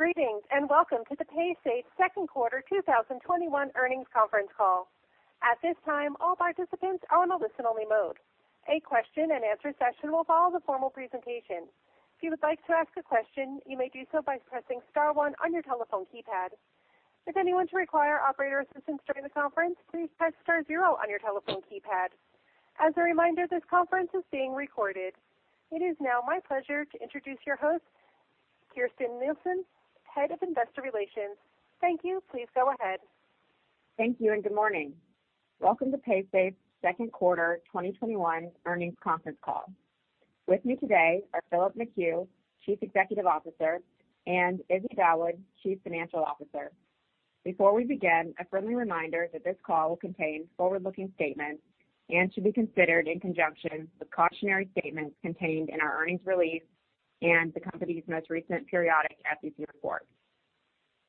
Greetings, welcome to the Paysafe second quarter 2021 earnings conference call. At this time, all participants are on a listen-only mode. A question and answer session will follow the formal presentation. If you would like to ask a question, you may do so by pressing star one on your telephone keypad. If anyone should require operator assistance during the conference, please press star zero on your telephone keypad. As a reminder, this conference is being recorded. It is now my pleasure to introduce your host, Kirsten Nielsen, Head of Investor Relations. Thank you. Please go ahead. Thank you. Good morning. Welcome to Paysafe's second quarter 2021 earnings conference call. With me today are Philip McHugh, Chief Executive Officer, and Izzy Dawood, Chief Financial Officer. Before we begin, a friendly reminder that this call will contain forward-looking statements and should be considered in conjunction with cautionary statements contained in our earnings release and the company's most recent periodic SEC report.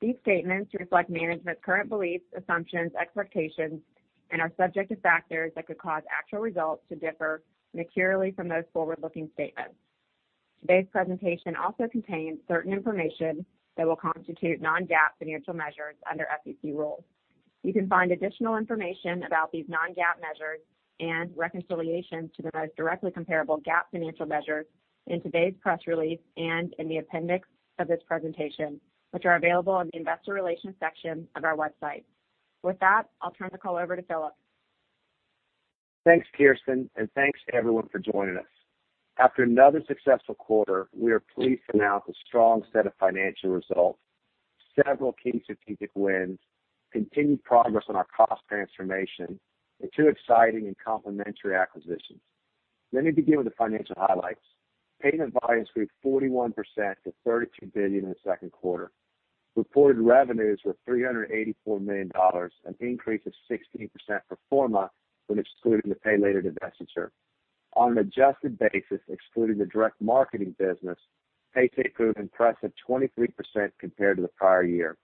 These statements reflect management's current beliefs, assumptions, expectations and are subject to factors that could cause actual results to differ materially from those forward-looking statements. Today's presentation also contains certain information that will constitute non-GAAP financial measures under SEC rules. You can find additional information about these non-GAAP measures and reconciliation to the most directly comparable GAAP financial measures in today's press release and in the appendix of this presentation, which are available in the Investor Relations section of our website. With that, I'll turn the call over to Philip. Thanks, Kirsten, thanks to everyone for joining us. After another successful quarter, we are pleased to announce a strong set of financial results, several key strategic wins, continued progress on our cost transformation, and two exciting and complementary acquisitions. Let me begin with the financial highlights. Payment volumes grew 41% to $32 billion in the second quarter. Reported revenues were $384 million, an increase of 16% pro forma when excluding the Pay Later divestiture. On an adjusted basis, excluding the direct marketing business, Paysafe grew an impressive 23% compared to the prior year.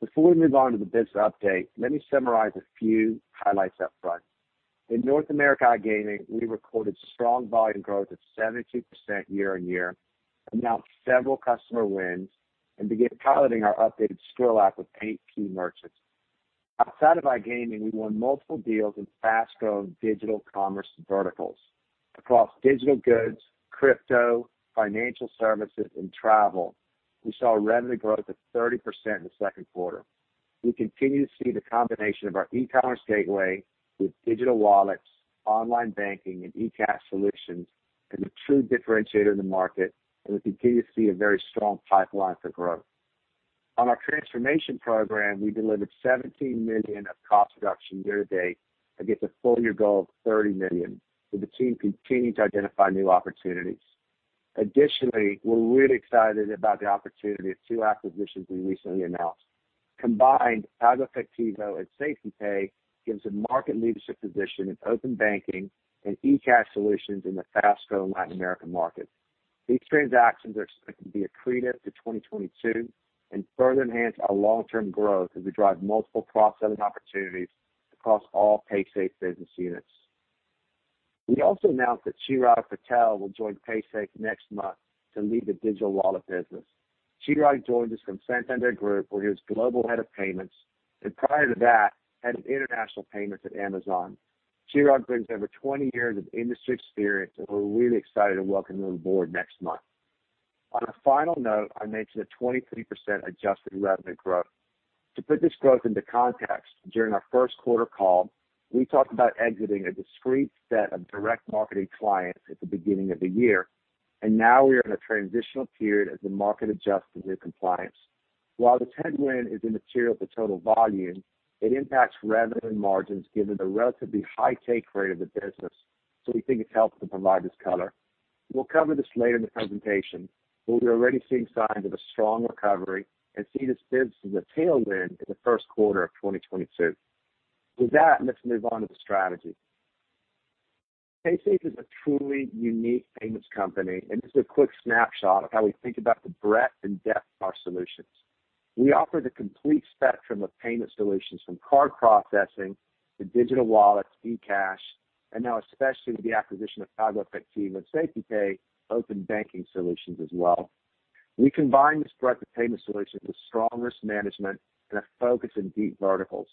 Before we move on to the business update, let me summarize a few highlights up front. In North America iGaming, we recorded strong volume growth of 72% year-on-year, announced several customer wins, and began piloting our updated Skrill app with eight key merchants. Outside of iGaming, we won multiple deals in fast-growing digital commerce verticals. Across digital goods, crypto, financial services, and travel, we saw revenue growth of 30% in the second quarter. We continue to see the combination of our e-commerce gateway with digital wallets, online banking, and eCash solutions as a true differentiator in the market, and we continue to see a very strong pipeline for growth. On our transformation program, we delivered $17 million of cost reduction year to date against a full-year goal of $30 million, with the team continuing to identify new opportunities. Additionally, we're really excited about the opportunity of two acquisitions we recently announced. Combined, PagoEfectivo and SafetyPay gives a market leadership position in open banking and eCash solutions in the fast-growing Latin American market. These transactions are expected to be accretive to 2022 and further enhance our long-term growth as we drive multiple cross-selling opportunities across all Paysafe business units. We also announced that Chirag Patel will join Paysafe next month to lead the digital wallet business. Chirag joins us from Santander Group, where he was Global Head of Payments. Prior to that, Head of International Payments at Amazon. Chirag brings over 20 years of industry experience, we're really excited to welcome him on board next month. On a final note, I mentioned a 23% adjusted revenue growth. To put this growth into context, during our first quarter call, we talked about exiting a discrete set of direct marketing clients at the beginning of the year, now we are in a transitional period as the market adjusts to new compliance. While the tailwind is immaterial to total volume, it impacts revenue and margins given the relatively high take rate of the business, we think it helps to provide this color. We'll cover this later in the presentation, but we are already seeing signs of a strong recovery and see this biz as a tailwind in the first quarter of 2022. With that, let's move on to the strategy. Paysafe is a truly unique payments company, and this is a quick snapshot of how we think about the breadth and depth of our solutions. We offer the complete spectrum of payment solutions, from card processing to Digital Wallets, eCash, and now especially with the acquisition of PagoEfectivo and SafetyPay, open banking solutions as well. We combine this breadth of payment solutions with strong risk management and a focus in deep verticals.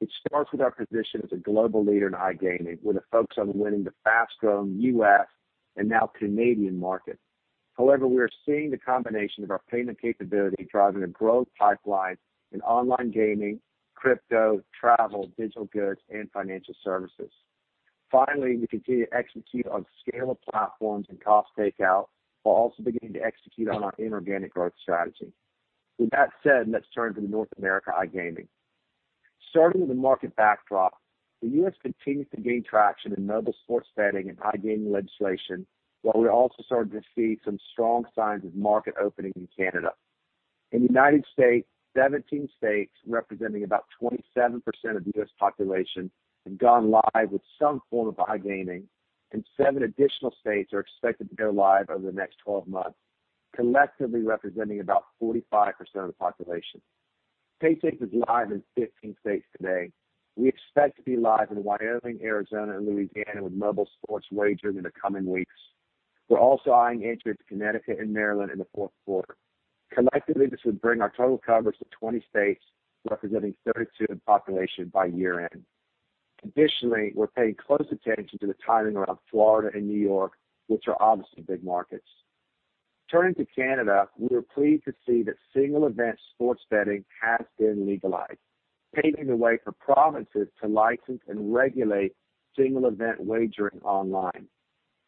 It starts with our position as a global leader in iGaming, with a focus on winning the fast-growing U.S. and now Canadian market. However, we are seeing the combination of our payment capability driving a growth pipeline in online gaming, crypto, travel, digital goods, and financial services. Finally, we continue to execute on scale of platforms and cost takeout while also beginning to execute on our inorganic growth strategy. With that said, let's turn to the North America iGaming. Starting with the market backdrop, the U.S. continues to gain traction in mobile sports betting and iGaming legislation, while we're also starting to see some strong signs of market opening in Canada. In the United States, 17 states representing about 27% of the U.S. population have gone live with some form of iGaming, and 7 additional states are expected to go live over the next 12 months, collectively representing about 45% of the population. Paysafe is live in 15 states today. We expect to be live in Wyoming, Arizona, and Louisiana with mobile sports wagering in the coming weeks. We're also eyeing entry into Connecticut and Maryland in the fourth quarter. Collectively, this would bring our total coverage to 20 states, representing 32% in population by year-end. We're paying close attention to the timing around Florida and New York, which are obviously big markets. Turning to Canada, we were pleased to see that single-event sports betting has been legalized, paving the way for provinces to license and regulate single-event wagering online.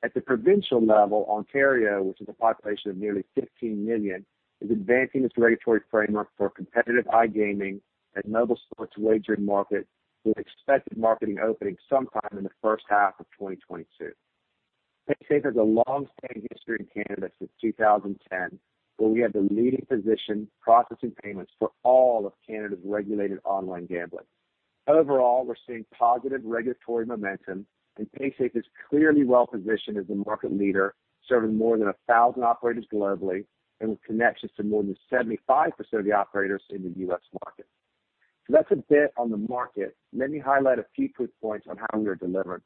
At the provincial level, Ontario, which has a population of nearly 15 million, is advancing its regulatory framework for competitive iGaming and mobile sports wagering market, with expected marketing opening sometime in the first half of 2022. Paysafe has a longstanding history in Canada since 2010, where we have the leading position processing payments for all of Canada's regulated online gambling. Overall, we're seeing positive regulatory momentum. Paysafe is clearly well-positioned as the market leader, serving more than 1,000 operators globally and with connections to more than 75% of the operators in the U.S. market. That's a bit on the market. Let me highlight a few quick points on how we are delivering.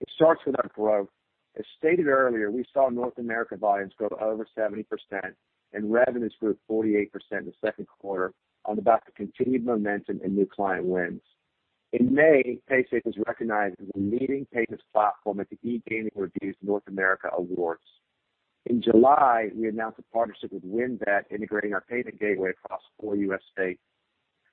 It starts with our growth. As stated earlier, we saw North America volumes grow over 70% and revenues grew 48% in the second quarter on the back of continued momentum and new client wins. In May, Paysafe was recognized as a leading payments platform at the eGaming Review's North America Awards. In July, we announced a partnership with WynnBET, integrating our payment gateway across four U.S. states.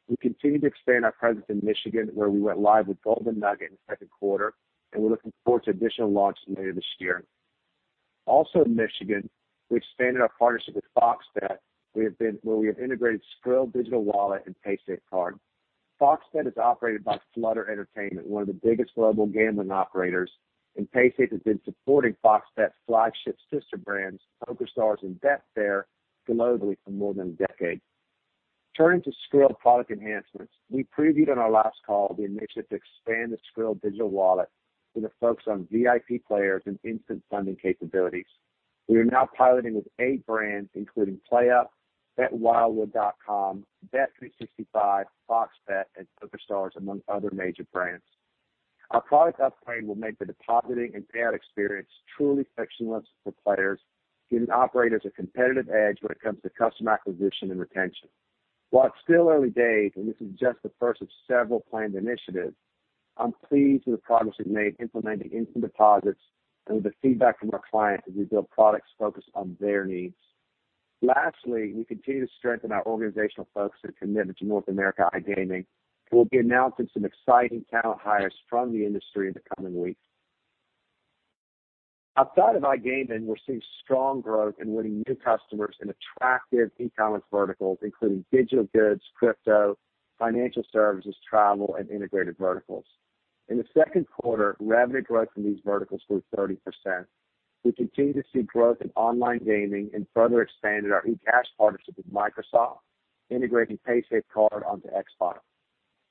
We continue to expand our presence in Michigan, where we went live with Golden Nugget in the second quarter, and we're looking forward to additional launches later this year. Also in Michigan, we expanded our partnership with Fox Bet, where we have integrated Skrill digital wallet andPaysafeCard. Fox Bet is operated by Flutter Entertainment, one of the biggest global gambling operators, and Paysafe has been supporting Fox Bet's flagship sister brands, PokerStars and Betfair, globally for more than a decade. Turning to Skrill product enhancements, we previewed on our last call the initiative to expand the Skrill digital wallet with a focus on VIP players and instant funding capabilities. We are now piloting with eight brands, including PlayUp, betwildwood.com, Bet365, Fox Bet, and PokerStars, among other major brands. Our product upgrade will make the depositing and payout experience truly frictionless for players, giving operators a competitive edge when it comes to customer acquisition and retention. While it's still early days, and this is just the first of several planned initiatives, I'm pleased with the progress we've made implementing instant deposits and with the feedback from our clients as we build products focused on their needs. Lastly, we continue to strengthen our organizational focus and commitment to North America iGaming. We'll be announcing some exciting talent hires from the industry in the coming weeks. Outside of iGaming, we're seeing strong growth and winning new customers in attractive e-commerce verticals, including digital goods, crypto, financial services, travel, and integrated verticals. In the second quarter, revenue growth in these verticals grew 30%. We continue to see growth in online gaming and further expanded our eCash partnership with Microsoft, integrating Paysafecard onto Xbox.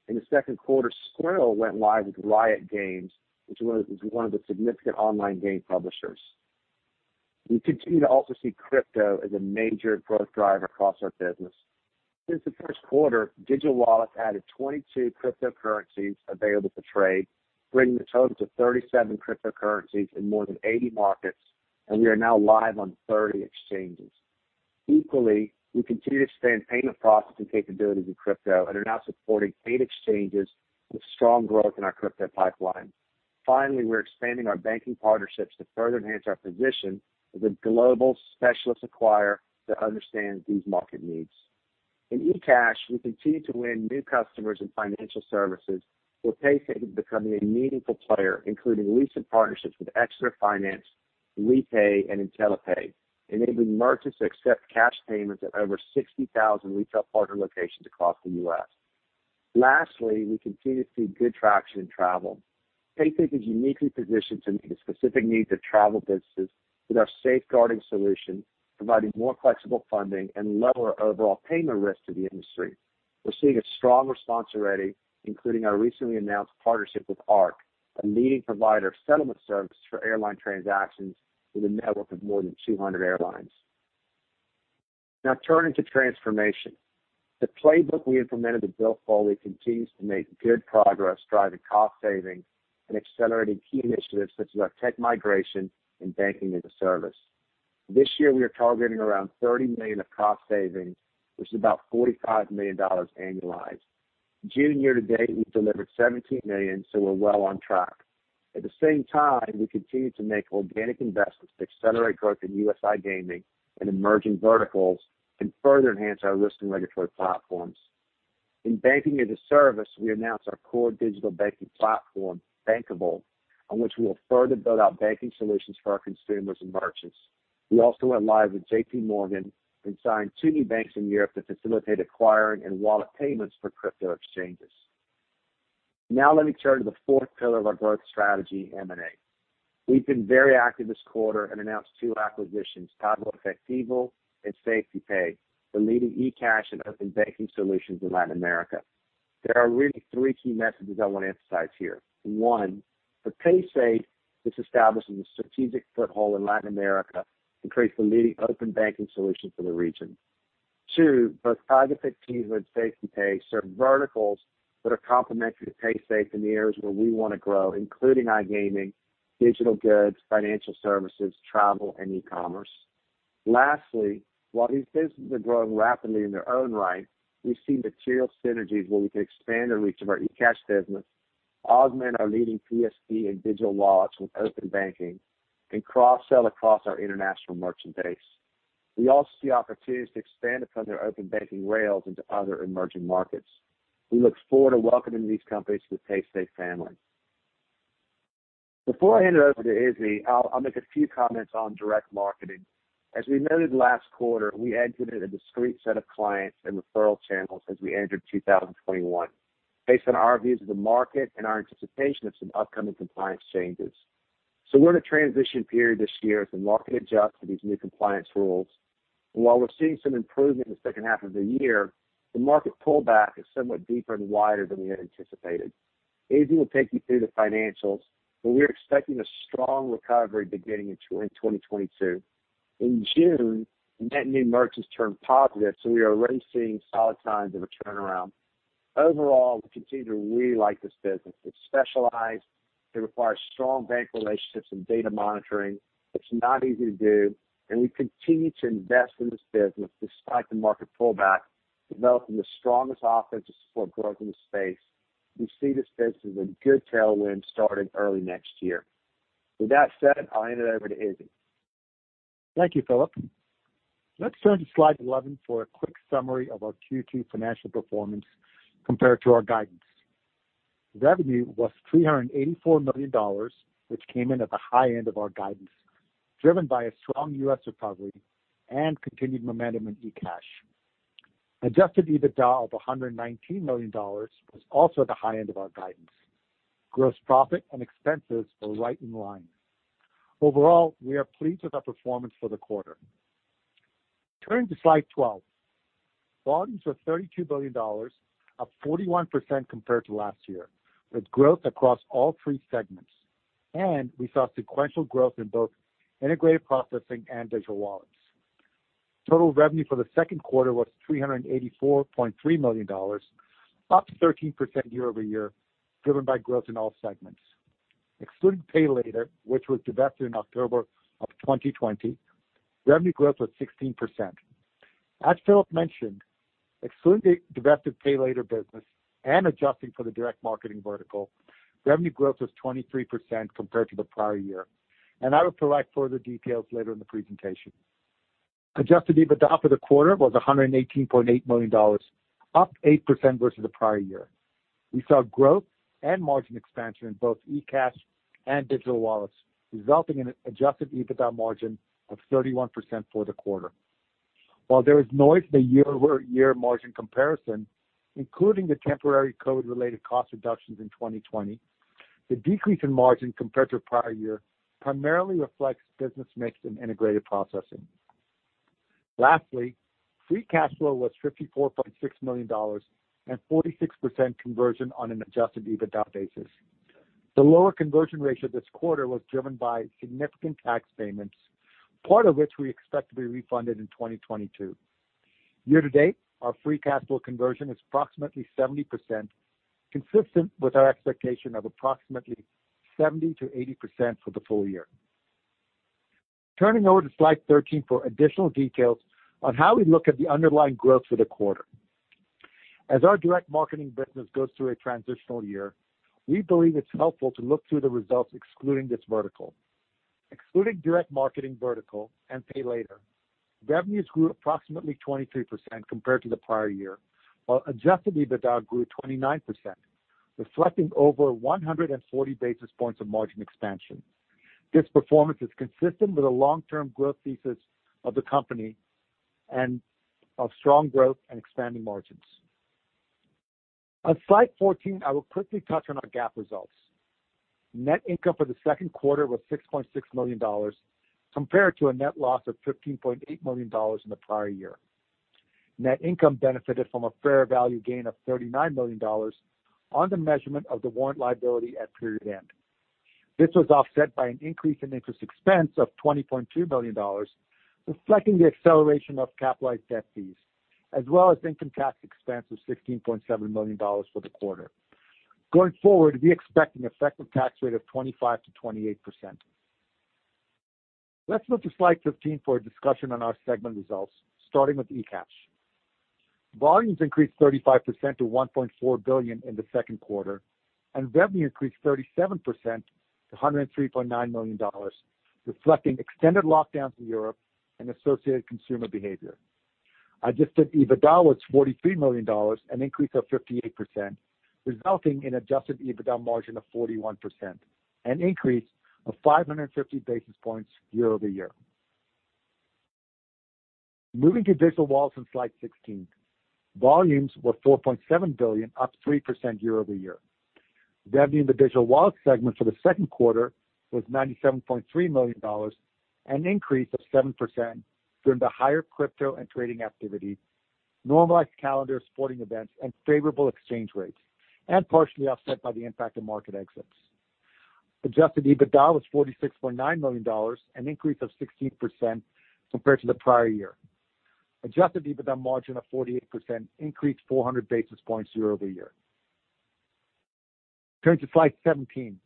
In the second quarter, Skrill went live with Riot Games, which is one of the significant online game publishers. We continue to also see crypto as a major growth driver across our business. Since the first quarter, Digital Wallets added 22 cryptocurrencies available for trade, bringing the total to 37 cryptocurrencies in more than 80 markets, and we are now live on 30 exchanges. Equally, we continue to expand payment processing capabilities in crypto and are now supporting eight exchanges with strong growth in our crypto pipeline. Finally, we're expanding our banking partnerships to further enhance our position as a global specialist acquirer that understands these market needs. In eCash, we continue to win new customers in financial services, with Paysafe becoming a meaningful player, including recent partnerships with Exeter Finance WePay, and IntelliPay, enabling merchants to accept cash payments at over 60,000 retail partner locations across the U.S. Lastly, we continue to see good traction in travel. Paysafe is uniquely positioned to meet the specific needs of travel businesses with our safeguarding solution, providing more flexible funding and lower overall payment risk to the industry. We're seeing a strong response already, including our recently announced partnership with ARC, a leading provider of settlement services for airline transactions with a network of more than 200 airlines. Turning to transformation. The playbook we implemented in Bill Foley continues to make good progress driving cost savings and accelerating key initiatives such as our tech migration and banking-as-a-service. This year, we are targeting around $30 million of cost savings, which is about $45 million annualized. June year-to-date, we've delivered $17 million, so we're well on track. At the same time, we continue to make organic investments to accelerate growth in U.S. iGaming and emerging verticals and further enhance our risk and regulatory platforms. In banking-as-a-service, we announced our core digital banking platform, Bankable, on which we will further build our banking solutions for our consumers and merchants. We also went live with JP Morgan and signed two new banks in Europe to facilitate acquiring and wallet payments for crypto exchanges. Let me turn to the fourth pillar of our growth strategy, M&A. We've been very active this quarter and announced two acquisitions, PagoEfectivo and SafetyPay, the leading eCash and open banking solutions in Latin America. There are really three key messages I want to emphasize here. One, for Paysafe, this establishes a strategic foothold in Latin America and creates the leading open banking solution for the region. Two, both PagoEfectivo teams and SafetyPay serve verticals that are complementary to Paysafe in the areas where we want to grow, including iGaming, digital goods, financial services, travel, and e-commerce. Lastly, while these businesses are growing rapidly in their own right, we see material synergies where we can expand the reach of our eCash business, augment our leading PSP and digital wallets with open banking, and cross-sell across our international merchant base. We also see opportunities to expand upon their open banking rails into other emerging markets. We look forward to welcoming these companies to the Paysafe family. Before I hand it over to Izzy, I'll make a few comments on direct marketing. As we noted last quarter, we exited a one discrete set of clients and referral channels as we entered 2021 based on our views of the market and our anticipation of some upcoming compliance changes. We're in a transition period this year as the market adjusts to these new compliance rules. While we're seeing some improvement in the 2nd half of the year, the market pullback is somewhat deeper and wider than we had anticipated. Izzy will take you through the financials, but we're expecting a strong recovery beginning in 2022. In June, net new merchants turned positive, so we are already seeing solid signs of a turnaround. Overall, we continue to really like this business. It's specialized, it requires strong bank relationships and data monitoring. It's not easy to do, and we continue to invest in this business despite the market pullback, developing the strongest offer to support growth in the space. We see this business as a good tailwind starting early next year. With that said, I'll hand it over to Izzy. Thank you, Philip. Let's turn to slide 11 for a quick summary of our Q2 financial performance compared to our guidance. Revenue was $384 million, which came in at the high end of our guidance, driven by a strong U.S. recovery and continued momentum in eCash. Adjusted EBITDA of $119 million was also at the high end of our guidance. Gross profit and expenses were right in line. Overall, we are pleased with our performance for the quarter. Turning to slide 12. Volumes were $32 billion, up 41% compared to last year, with growth across all three segments. We saw sequential growth in both Integrated Processing and Digital Wallets. Total revenue for the second quarter was $384.3 million, up 13% year-over-year, driven by growth in all segments. Excluding Pay Later, which was divested in October of 2020, revenue growth was 16%. As Philip mentioned, excluding the divested Pay Later business and adjusting for the direct marketing vertical, revenue growth was 23% compared to the prior year. I will provide further details later in the presentation. Adjusted EBITDA for the quarter was $118.8 million, up 8% versus the prior year. We saw growth and margin expansion in both eCash and digital wallets, resulting in an adjusted EBITDA margin of 31% for the quarter. While there is noise in the year-over-year margin comparison, including the temporary COVID-related cost reductions in 2020, the decrease in margin compared to prior year primarily reflects business mix in integrated processing. Lastly, free cash flow was $54.6 million and 46% conversion on an adjusted EBITDA basis. The lower conversion ratio this quarter was driven by significant tax payments, part of which we expect to be refunded in 2022. Year to date, our free cash flow conversion is approximately 70%, consistent with our expectation of approximately 70%-80% for the full year. Turning over to slide 13 for additional details on how we look at the underlying growth for the quarter. As our direct marketing business goes through a transitional year, we believe it's helpful to look through the results excluding this vertical. Excluding direct marketing vertical and Pay Later, revenues grew approximately 23% compared to the prior year, while adjusted EBITDA grew 29%, reflecting over 140 basis points of margin expansion. This performance is consistent with the long-term growth thesis of the company and of strong growth and expanding margins. On slide 14, I will quickly touch on our GAAP results. Net income for the second quarter was $6.6 million, compared to a net loss of $15.8 million in the prior year. Net income benefited from a fair value gain of $39 million on the measurement of the warrant liability at period end. This was offset by an increase in interest expense of $20.3 million, reflecting the acceleration of capitalized debt fees, as well as income tax expense of $16.7 million for the quarter. Going forward, we expect an effective tax rate of 25%-28%. Let's move to slide 15 for a discussion on our segment results, starting with eCash. Volumes increased 35% to $1.4 billion in the second quarter, and revenue increased 37% to $103.9 million, reflecting extended lockdowns in Europe and associated consumer behavior. Adjusted EBITDA was $43 million, an increase of 58%, resulting in adjusted EBITDA margin of 41%, an increase of 550 basis points year-over-year. Moving to digital wallets on slide 16. Volumes were $4.7 billion, up 3% year-over-year. Revenue in the Digital Wallets segment for the second quarter was $97.3 million, an increase of 7% from the higher crypto and trading activity, normalized calendar sporting events, and favorable exchange rates, and partially offset by the impact of market exits. adjusted EBITDA was $46.9 million, an increase of 16% compared to the prior year. adjusted EBITDA margin of 48% increased 400 basis points year-over-year. Turning to slide 17.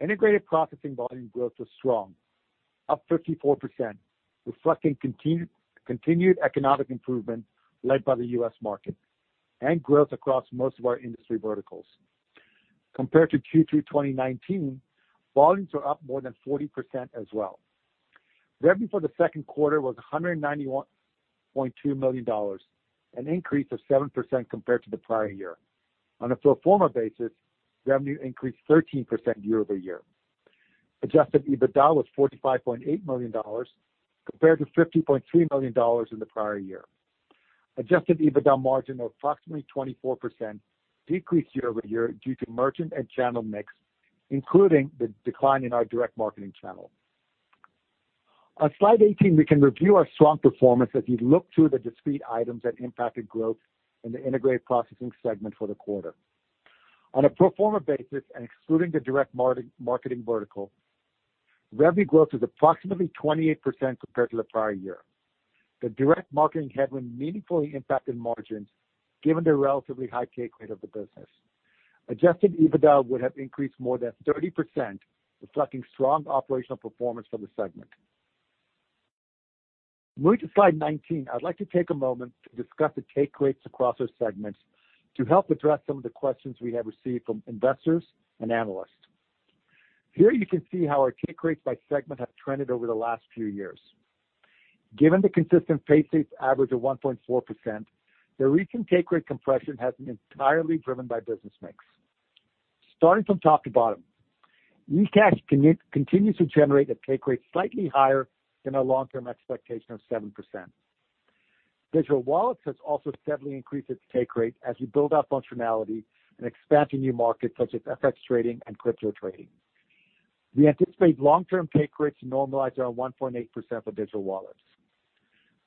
Integrated Processing volume growth was strong, up 54%, reflecting continued economic improvement led by the U.S. market and growth across most of our industry verticals. Compared to Q2 2019, volumes were up more than 40% as well. Revenue for the second quarter was $191.2 million, an increase of 7% compared to the prior year. On a pro forma basis, revenue increased 13% year-over-year. Adjusted EBITDA was $45.8 million compared to $50.3 million in the prior year. Adjusted EBITDA margin of approximately 24% decrease year-over-year due to merchant and channel mix, including the decline in our direct marketing channel. On slide 18, we can review our strong performance as we look to the discrete items that impacted growth in the Integrated Processing segment for the quarter. On a pro forma basis and excluding the direct marketing vertical, revenue growth was approximately 28% compared to the prior year. The direct marketing headwind meaningfully impacted margins given the relatively high take rate of the business. Adjusted EBITDA would have increased more than 30%, reflecting strong operational performance for the segment. Moving to slide 19, I would like to take a moment to discuss the take rates across our segments to help address some of the questions we have received from investors and analysts. Here you can see how our take rates by segment have trended over the last few years. Given the consistent Paysafe average of 1.4%, the recent take rate compression has been entirely driven by business mix. Starting from top to bottom, eCash continues to generate a take rate slightly higher than our long-term expectation of 7%. Digital Wallets has also steadily increased its take rate as we build out functionality and expand to new markets such as FX trading and crypto trading. We anticipate long-term take rates to normalize around 1.8% for Digital Wallets.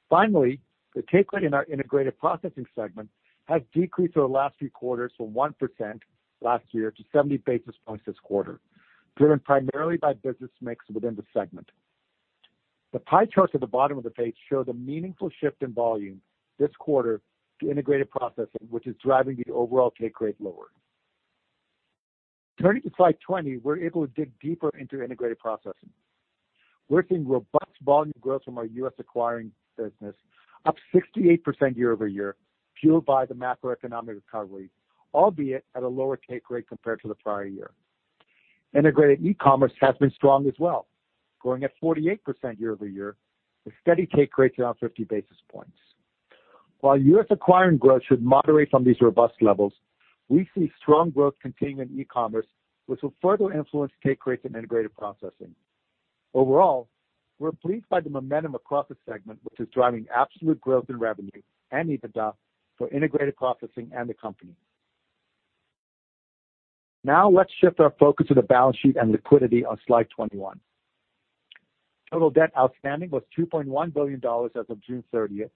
Finally, the take rate in our Integrated Processing segment has decreased over the last few quarters from 1% last year to 70 basis points this quarter, driven primarily by business mix within the segment. The pie charts at the bottom of the page show the meaningful shift in volume this quarter to Integrated Processing, which is driving the overall take rate lower. Turning to slide 20, we are able to dig deeper into Integrated Processing. We are seeing robust volume growth from our U.S. acquiring business, up 68% year-over-year, fueled by the macroeconomic recovery, albeit at a lower take rate compared to the prior year. Integrated eCommerce has been strong as well, growing at 48% year-over-year with steady take rates around 50 basis points. While U.S. acquiring growth should moderate from these robust levels, we see strong growth continuing in eCommerce, which will further influence take rates in Integrated Processing. Overall, we are pleased by the momentum across the segment, which is driving absolute growth in revenue and EBITDA for Integrated Processing and the company. Now, let's shift our focus to the balance sheet and liquidity on slide 21. Total debt outstanding was $2.1 billion as of June 30th,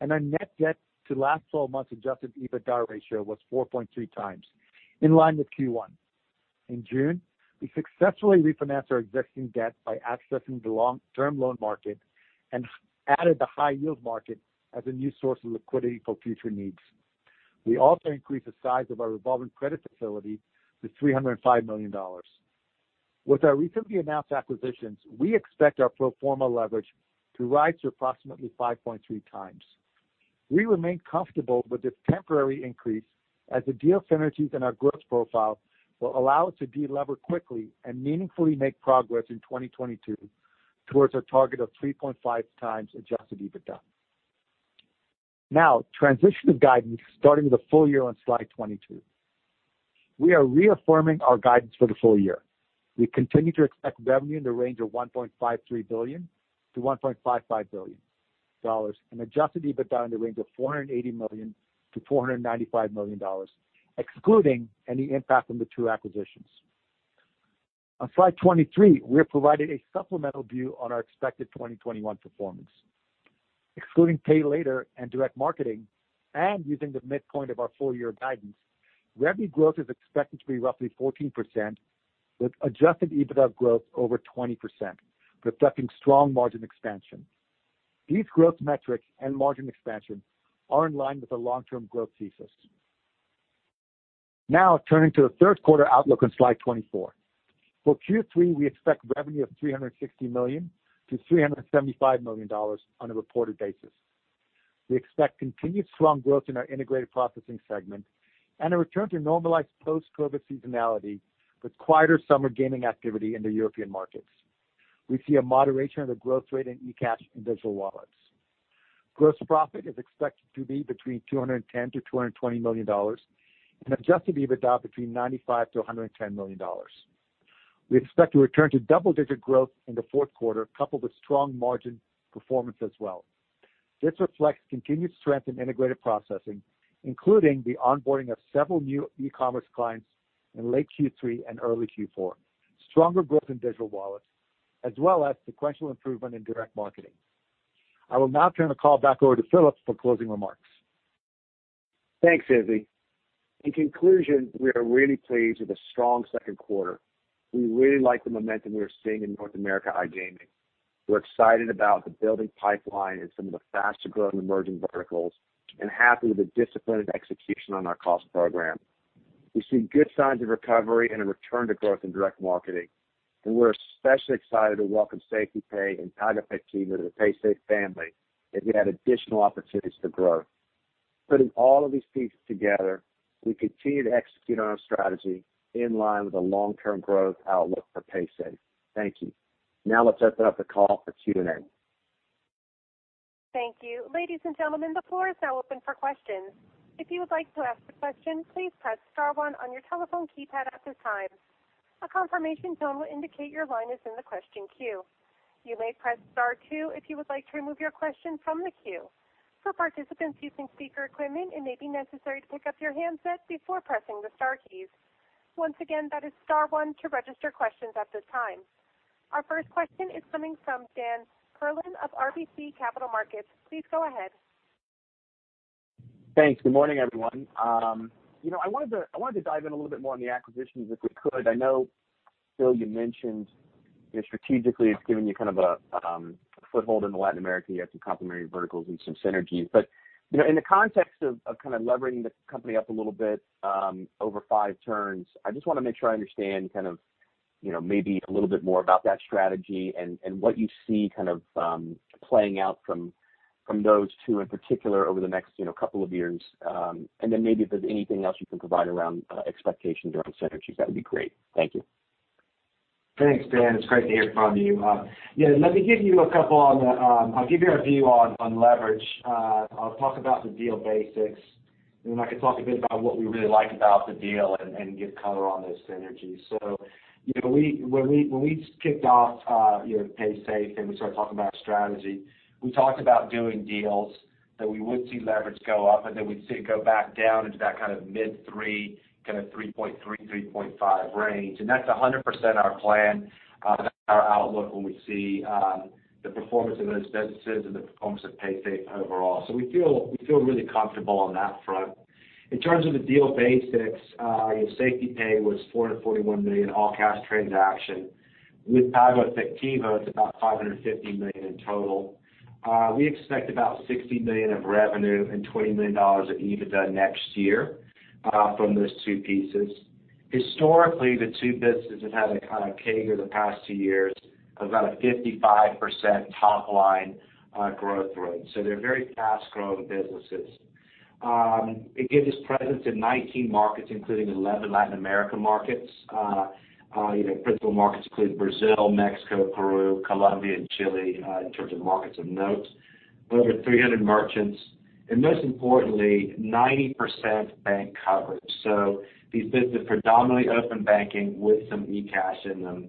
and our net debt to last 12 months adjusted EBITDA ratio was 4.3x, in line with Q1. In June, we successfully refinanced our existing debt by accessing the long-term loan market and added the high-yield market as a new source of liquidity for future needs. We also increased the size of our revolving credit facility to $305 million. With our recently announced acquisitions, we expect our pro forma leverage to rise to approximately 5.3x. We remain comfortable with this temporary increase as the deal synergies and our growth profile will allow us to de-lever quickly and meaningfully make progress in 2022 towards our target of 3.5x adjusted EBITDA. Transition of guidance starting with the full year on slide 22. We are reaffirming our guidance for the full year. We continue to expect revenue in the range of $1.53 billion-$1.55 billion and adjusted EBITDA in the range of $480 million-$495 million, excluding any impact from the two acquisitions. On slide 23, we have provided a supplemental view on our expected 2021 performance. Excluding Pay Later and Direct Marketing and using the midpoint of our full-year guidance, revenue growth is expected to be roughly 14% with adjusted EBITDA growth over 20%, reflecting strong margin expansion. These growth metrics and margin expansion are in line with the long-term growth thesis. Now turning to the third quarter outlook on slide 24. For Q3, we expect revenue of $360 million-$375 million on a reported basis. We expect continued strong growth in our Integrated Processing segment and a return to normalized post-COVID seasonality with quieter summer gaming activity in the European markets. We see a moderation of the growth rate in eCash and Digital Wallets. Gross profit is expected to be between $210 million-$220 million and adjusted EBITDA between $95 million-$110 million. We expect to return to double-digit growth in the fourth quarter, coupled with strong margin performance as well. This reflects continued strength in Integrated Processing, including the onboarding of several new e-commerce clients in late Q3 and early Q4, stronger growth in Digital Wallets, as well as sequential improvement in direct marketing. I will now turn the call back over to Philip McHugh for closing remarks. Thanks, Izzy. In conclusion, we are really pleased with the strong second quarter. We really like the momentum we are seeing in North America iGaming. We're excited about the building pipeline and some of the faster-growing emerging verticals and happy with the disciplined execution on our cost program. We see good signs of recovery and a return to growth in direct marketing, and we're especially excited to welcome SafetyPay and PagoEfectivo to the Paysafe family, as we add additional opportunities for growth. Putting all of these pieces together, we continue to execute on our strategy in line with the long-term growth outlook for Paysafe. Thank you. Now let's open up the call for Q&A. Thank you. Ladies and gentlemen, the floor is now open for questions. If you would like to ask a question, please press star one on your telephone keypad at this time. A confirmation tone will indicate your line is in the question queue. You may press star two if you would like to remove your question from the queue. For participants using speaker equipment, it may be necessary to pick up your handset before pressing the star keys. Once again, that is star one to register questions at this time. Our first question is coming from Dan Perlin of RBC Capital Markets. Please go ahead. Thanks. Good morning, everyone. I wanted to dive in a little bit more on the acquisitions, if we could. I know, Phil, you mentioned strategically it's given you kind of a foothold into Latin America. You have some complementary verticals and some synergies. In the context of kind of levering the company up a little bit over five turns, I just want to make sure I understand maybe a little bit more about that strategy and what you see kind of playing out from those two in particular over the next couple of years. Maybe if there's anything else you can provide around expectations around synergies, that would be great. Thank you. Thanks, Dan. It's great to hear from you. Let me give you our view on leverage. I'll talk about the deal basics, and then I can talk a bit about what we really like about the deal and give color on those synergies. When we kicked off Paysafe and we started talking about strategy, we talked about doing deals, that we would see leverage go up and then we'd see it go back down into that kind of mid three, kind of 3.3-3.5 range. That's 100% our plan, our outlook when we see the performance of those businesses and the performance of Paysafe overall. We feel really comfortable on that front. In terms of the deal basics, SafetyPay was $441 million all-cash transaction. With PagoEfectivo, it's about $550 million in total. We expect about $60 million of revenue and $20 million of EBITDA next year from those two pieces. Historically, the two businesses have had a kind of CAGR the past two years of about a 55% top-line growth rate. They're very fast-growing businesses. It gives us presence in 19 markets, including 11 Latin America markets. Principal markets include Brazil, Mexico, Peru, Colombia, and Chile, in terms of markets of note. Over 300 merchants. Most importantly, 90% bank coverage. These businesses are predominantly open banking with some eCash in them.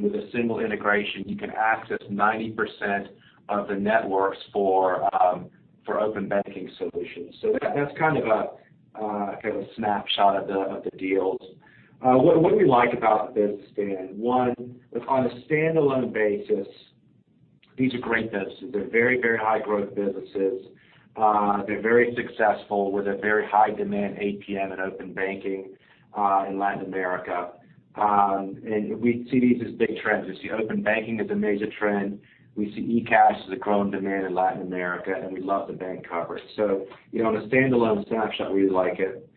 With a single integration, you can access 90% of the networks for open banking solutions. That's kind of a snapshot of the deals. What do we like about the business, Dan? One, on a standalone basis, these are great businesses. They're very high-growth businesses. They're very successful with a very high-demand APM and open banking in Latin America. We see these as big trends. You see open banking as a major trend. We see eCash as a growing demand in Latin America, and we love the bank coverage. On a standalone snapshot, we like it.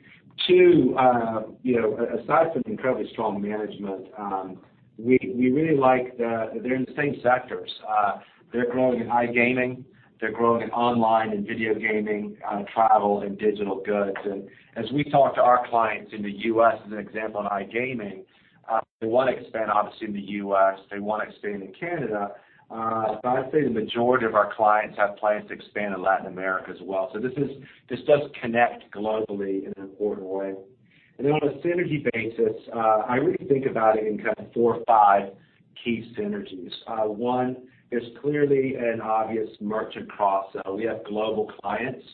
Two, aside from incredibly strong management, we really like that they're in the same sectors. They're growing in iGaming. They're growing in online and video gaming, travel, and digital goods. As we talk to our clients in the U.S., as an example, in iGaming, they want to expand obviously in the U.S., they want to expand in Canada. I'd say the majority of our clients have plans to expand in Latin America as well. This does connect globally in an important way. On a synergy basis, I really think about it in kind of four or five key synergies. One, there's clearly an obvious merchant cross-sell. We have global clients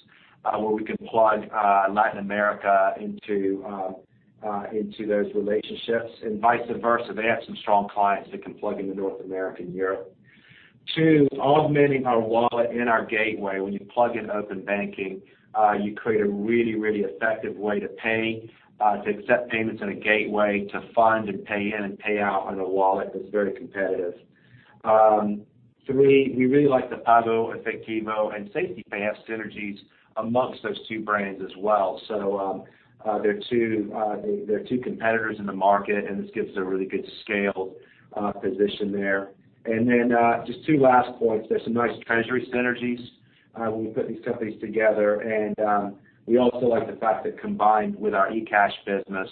where we can plug Latin America into those relationships and vice versa. They have some strong clients that can plug into North America and Europe. Two, augmenting our wallet and our gateway. When you plug in open banking, you create a really effective way to pay, to accept payments in a gateway, to fund and pay in and pay out on a wallet that's very competitive. Three, we really like that PagoEfectivo and SafetyPay have synergies amongst those two brands as well. They're two competitors in the market, and this gives a really good scaled position there. Just two last points. There's some nice treasury synergies when we put these companies together, and we also like the fact that combined with our eCash business,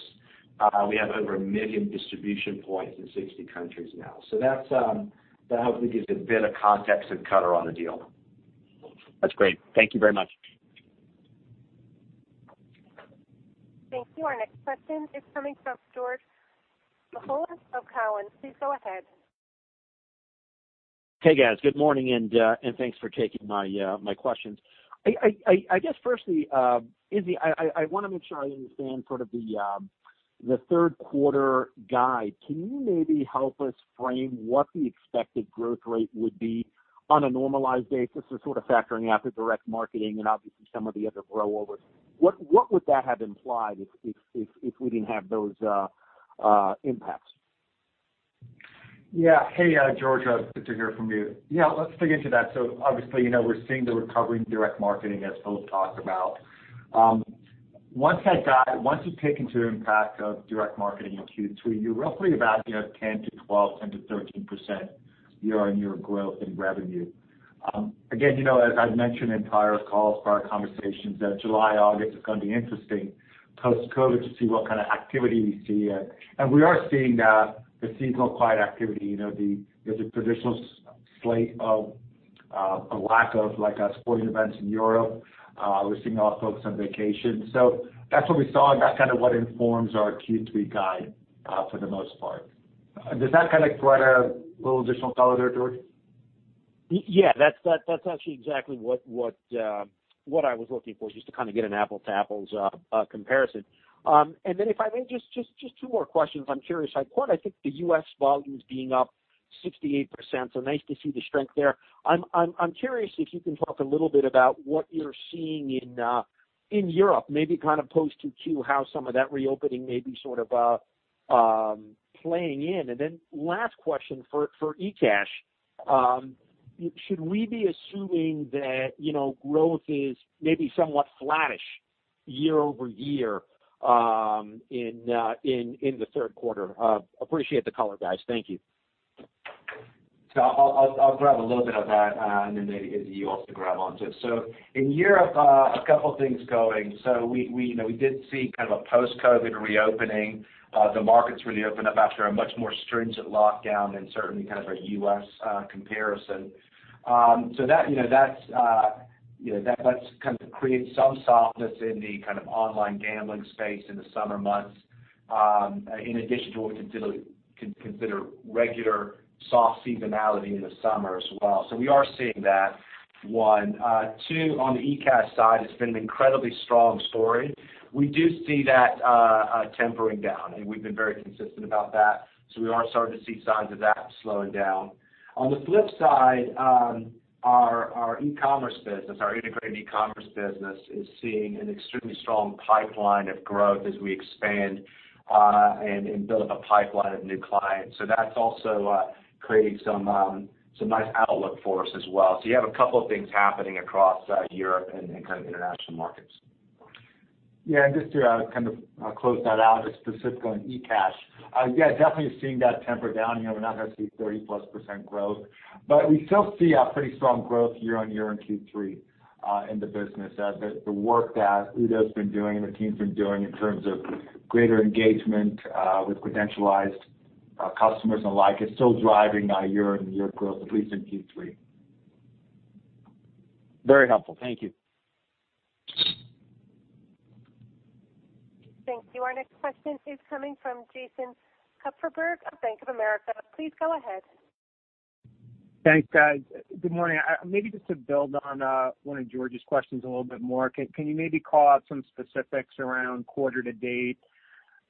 we have over a million distribution points in 60 countries now. That hopefully gives a bit of context and color on the deal. That's great. Thank you very much. Thank you. Our next question is coming from George Mihalos of Cowen. Please go ahead. Hey, guys. Good morning. Thanks for taking my questions. I guess firstly, Izzy, I want to make sure I understand sort of the third quarter guide. Can you maybe help us frame what the expected growth rate would be on a normalized basis or sort of factoring out the direct marketing and obviously some of the other rollovers? What would that have implied if we didn't have those impacts? Hey, George, good to hear from you. Let's dig into that. Obviously, we're seeing the recovery in direct marketing, as Philip talked about. Once you take into the impact of direct marketing in Q2, you're roughly about 10%-12%, 10%-13% year-on-year growth in revenue. As I've mentioned entire calls for our conversations that July, August is going to be interesting post-COVID to see what kind of activity we see. We are seeing the seasonal quiet activity, there's a traditional slate of a lack of sporting events in Europe. We're seeing our folks on vacation. That's what we saw, and that's kind of what informs our Q3 guide for the most part. Does that kind of provide a little additional color there, George? Yeah. That's actually exactly what I was looking for, just to kind of get an apples to apples comparison. Then if I may, just two more questions. I'm curious, I caught, I think, the U.S. volumes being up 68%, so nice to see the strength there. I'm curious if you can talk a little bit about what you're seeing in Europe, maybe kind of post Q2, how some of that reopening may be sort of playing in. Then last question for eCash. Should we be assuming that growth is maybe somewhat flattish year-over-year in the third quarter? Appreciate the color, guys. Thank you. I'll grab a little bit of that, and then maybe Izzy, you also grab on to it. In Europe, a couple of things going. We did see kind of a post-COVID reopening. The markets really opened up after a much more stringent lockdown than certainly kind of a U.S. comparison. That's kind of created some softness in the kind of online gambling space in the summer months, in addition to what we consider regular soft seasonality in the summer as well. We are seeing that, one. Two, on the eCash side, it's been an incredibly strong story. We do see that tempering down, and we've been very consistent about that. We are starting to see signs of that slowing down. On the flip side, our e-commerce business, our integrated e-commerce business, is seeing an extremely strong pipeline of growth as we expand and build up a pipeline of new clients. That's also creating some nice outlook for us as well. You have a couple of things happening across Europe and kind of international markets. Just to kind of close that out, just specifically on eCash. Definitely seeing that temper down. We're not going to see 30%+ growth. But we still see a pretty strong growth year-over-year in Q3 in the business. The work that Udo's been doing and the team's been doing in terms of greater engagement with credentialized customers and the like is still driving year-over-year growth, at least in Q3. Very helpful. Thank you. Thank you. Our next question is coming from Jason Kupferberg of Bank of America. Please go ahead. Thanks, guys. Good morning. Maybe just to build on one of George's questions a little bit more, can you maybe call out some specifics around quarter to date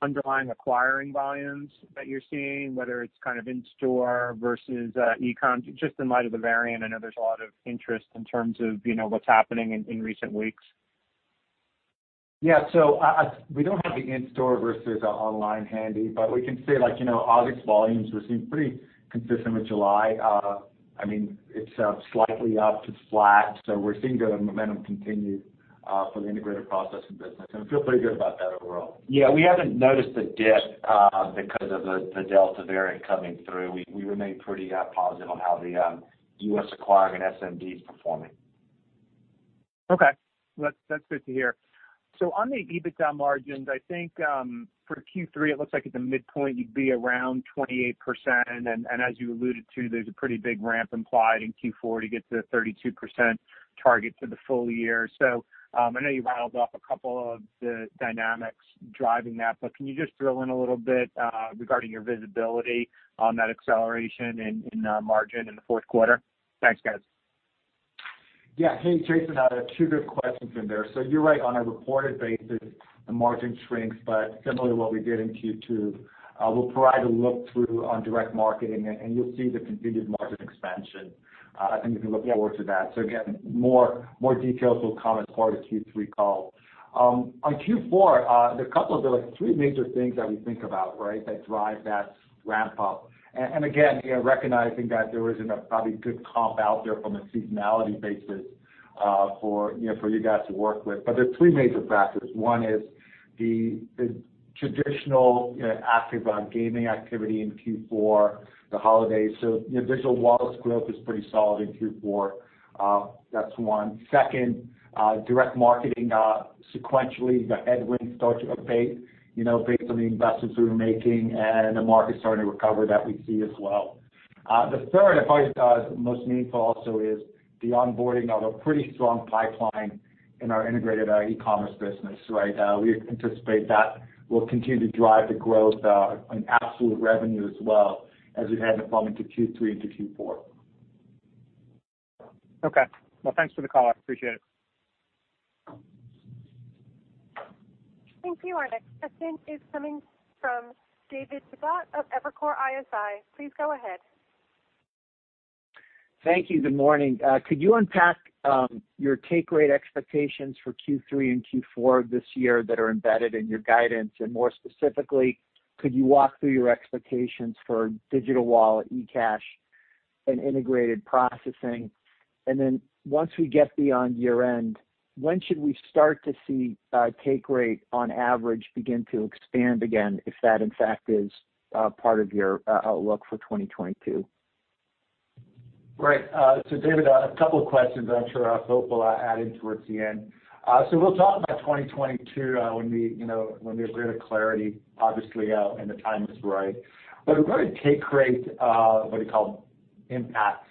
underlying acquiring volumes that you're seeing, whether it's kind of in-store versus e-com? Just in light of the variant, I know there's a lot of interest in terms of what's happening in recent weeks. Yeah. We don't have the in-store versus online handy, but we can say, like, August volumes were seeming pretty consistent with July. It's slightly up to flat. We're seeing the momentum continue for the integrated processing business. We feel pretty good about that overall. Yeah, we haven't noticed a dip because of the Delta variant coming through. We remain pretty positive on how the U.S. acquiring and SMB is performing. Okay. That's good to hear. On the EBITDA margins, I think, for Q3, it looks like at the midpoint, you'd be around 28%, and as you alluded to, there's a pretty big ramp implied in Q4 to get to the 32% target for the full year. I know you reeled off a couple of the dynamics driving that, but can you just drill in a little bit regarding your visibility on that acceleration in margin in the fourth quarter? Thanks, guys. Hey, Jason, two good questions in there. You're right on a reported basis, the margin shrinks, but similarly what we did in Q2, we'll provide a look through on direct marketing, and you'll see the continued margin expansion. I think you can look forward to that. Again, more details will come as part of Q3 call. On Q4, there are three major things that we think about, right? That drive that ramp up. Again, recognizing that there isn't a probably good comp out there from a seasonality basis for you guys to work with. There are three major factors. One is the traditional activity around gaming activity in Q4, the holidays. Digital Wallets growth is pretty solid in Q4. That's one. Second, direct marketing sequentially, the headwinds start to abate based on the investments we were making and the market starting to recover that we see as well. The third, I thought is most meaningful also is the onboarding of a pretty strong pipeline in our integrated, e-commerce business, right? We anticipate that will continue to drive the growth in absolute revenue as well as we head into Q3 into Q4. Okay. Thanks for the call. I appreciate it. Thank you. Our next question is coming from David Togut of Evercore ISI. Please go ahead. Thank you. Good morning. Could you unpack your take rate expectations for Q3 and Q4 this year that are embedded in your guidance? More specifically, could you walk through your expectations for digital wallet, eCash, and integrated processing? Once we get beyond year-end, when should we start to see take rate on average begin to expand again, if that in fact is part of your outlook for 2022? Right. David Togut, a couple of questions, but I'm sure Hope will add in towards the end. We'll talk about 2022 when there's greater clarity, obviously, and the time is right. In regard to take rate impact.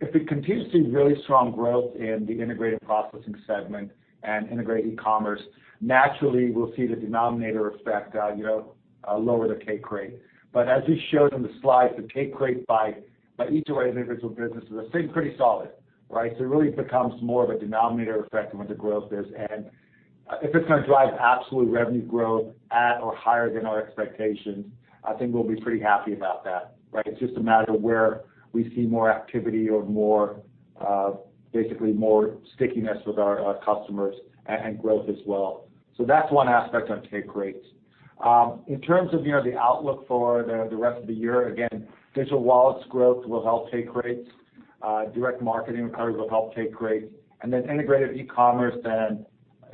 If we continue to see really strong growth in the integrated processing segment and integrated e-commerce, naturally we'll see the denominator effect lower the take rate. As we showed on the slide, the take rate by each of our individual businesses has been pretty solid, right? It really becomes more of a denominator effect when the growth is. If it's going to drive absolute revenue growth at or higher than our expectations, I think we'll be pretty happy about that, right? It's just a matter of where we see more activity or basically more stickiness with our customers and growth as well. That's one aspect on take rates. In terms of the outlook for the rest of the year, again, Digital Wallets growth will help take rates. Direct marketing recovery will help take rates. Then integrated e-commerce and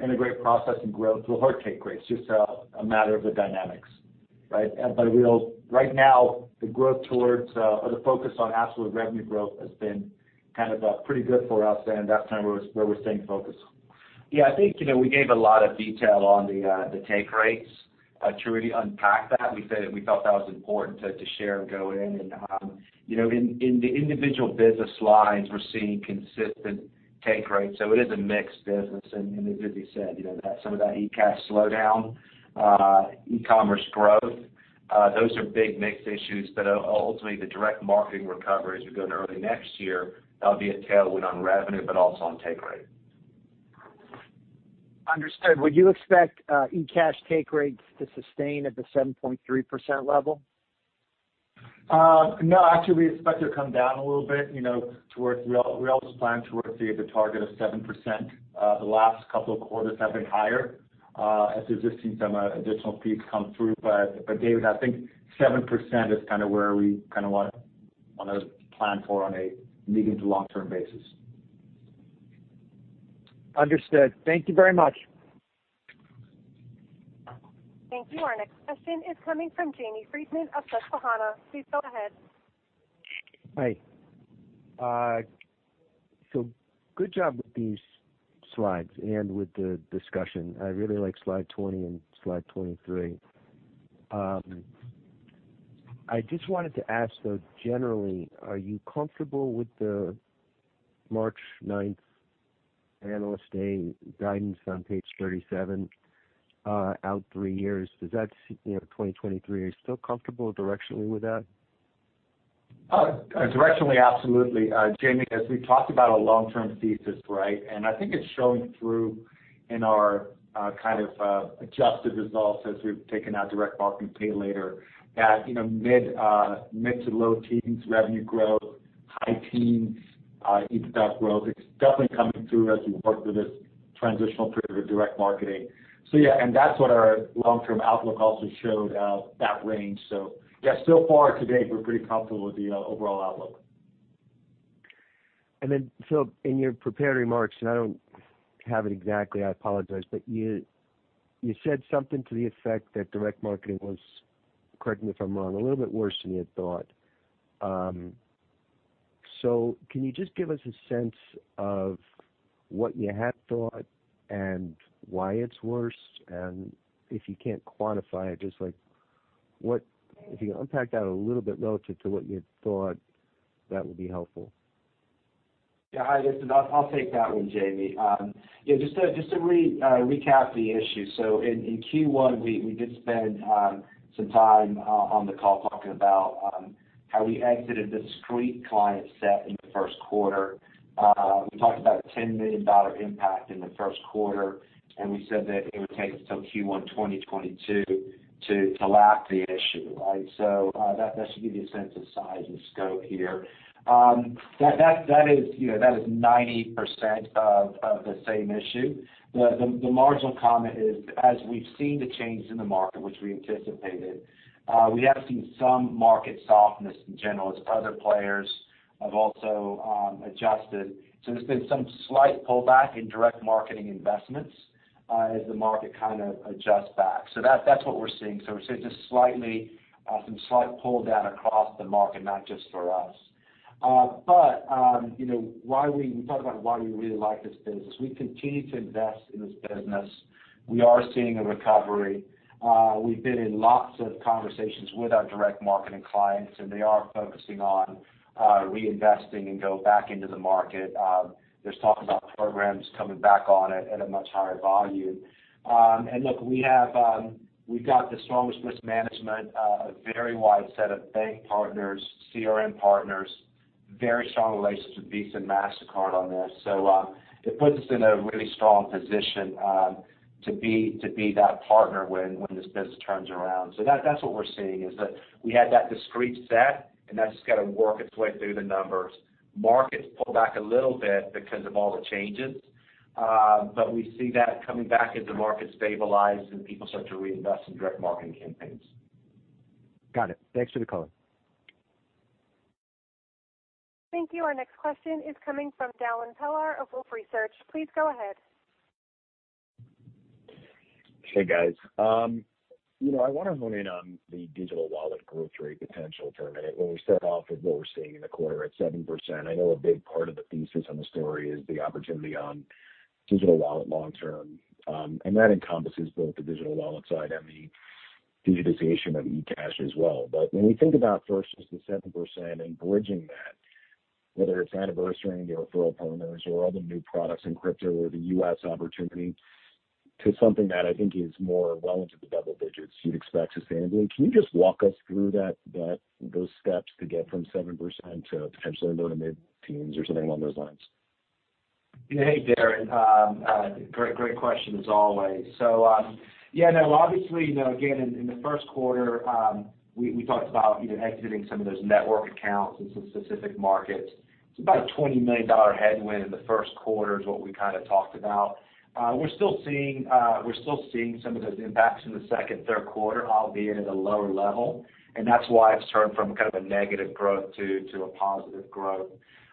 integrated processing growth will hurt take rates. Just a matter of the dynamics, right? Right now, the growth towards or the focus on absolute revenue growth has been kind of pretty good for us and that's kind of where we're staying focused. Yeah, I think we gave a lot of detail on the take rates to really unpack that. We felt that was important to share going in. In the individual business lines, we're seeing consistent take rates, so it is a mixed business. As Izzy Dawood said, some of that eCash slowdown, e-commerce growth, those are big mixed issues. Ultimately the direct marketing recovery as we go into early next year, that'll be a tailwind on revenue, but also on take rate. Understood. Would you expect eCash take rates to sustain at the 7.3% level? No. Actually, we expect it to come down a little bit. We always plan towards the target of 7%. The last couple of quarters have been higher as we've just seen some additional fees come through. David, I think 7% is where we want to plan for on a medium to long-term basis. Understood. Thank you very much. Thank you. Our next question is coming from Jamie Friedman of Susquehanna. Please go ahead. Hi. Good job with these slides and with the discussion. I really like slide 20 and slide 23. I just wanted to ask, though, generally, are you comfortable with the March 9th Analyst Day guidance on page 37 out three years? Are you still comfortable directionally with that? Directionally, absolutely. Jamie, as we've talked about a long-term thesis, right? I think it's showing through in our kind of adjusted results as we've taken out direct marketing Pay Later at mid to low teens revenue growth, high teens EBITDA growth. It's definitely coming through as we work through this transitional period of direct marketing. Yeah, and that's what our long-term outlook also showed, that range. Yeah, so far to date, we're pretty comfortable with the overall outlook. Phil, in your prepared remarks, and I don't have it exactly, I apologize, but you said something to the effect that direct marketing was, correct me if I'm wrong, a little bit worse than you had thought. Can you just give us a sense of what you had thought and why it's worse? If you can't quantify it, if you can unpack that a little bit relative to what you had thought, that would be helpful. Yeah. I'll take that one, Jamie. Yeah, just to recap the issue. In Q1, we did spend some time on the call talking about how we exited the discrete client set in the first quarter. We talked about a $10 million impact in the first quarter, and we said that it would take us till Q1 2022 to lap the issue, right? That should give you a sense of size and scope here. That is 90% of the same issue. The marginal comment is, as we've seen the changes in the market, which we anticipated, we have seen some market softness in general as other players have also adjusted. There's been some slight pullback in direct marketing investments as the market kind of adjusts back. That's what we're seeing. We're seeing some slight pull down across the market, not just for us. But we talk about why we really like this business. We continue to invest in this business. We are seeing a recovery. We've been in lots of conversations with our direct marketing clients, and they are focusing on reinvesting and go back into the market. There's talk about programs coming back on it at a much higher volume. Look, we've got the strongest risk management, a very wide set of bank partners, CRM partners, very strong relations with Visa and Mastercard on this. It puts us in a really strong position to be that partner when this business turns around. That's what we're seeing, is that we had that discrete set and that's got to work its way through the numbers. Markets pull back a little bit because of all the changes. We see that coming back as the market stabilizes and people start to reinvest in direct marketing campaigns. Got it. Thanks for the color. Thank you. Our next question is coming from Darrin Peller of Wolfe Research. Please go ahead. Hey, guys. I want to hone in on the digital wallet growth rate potential for a minute. When we set off with what we're seeing in the quarter at 7%, I know a big part of the thesis on the story is the opportunity on digital wallet long-term. That encompasses both the digital wallet side and the digitization of eCash as well. When we think about first just the 7% and bridging that, whether it's anniversary and the referral partners or all the new products in crypto or the U.S. opportunity to something that I think is more well into the double digits you'd expect sustainably, can you just walk us through those steps to get from 7% to potentially low to mid-teens or something along those lines? Hey, Darrin. Great question as always. Yeah, no, obviously, again, in the first quarter, we talked about exiting some of those network accounts in some specific markets. It's about a $20 million headwind in the first quarter is what we kind of talked about. We're still seeing some of those impacts in the second, third quarter, albeit at a lower level. That's why it's turned from kind of a negative growth to a positive growth.